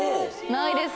ないです